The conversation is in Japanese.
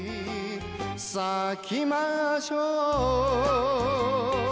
「咲きましょう」